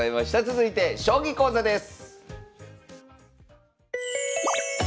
続いて将棋講座です。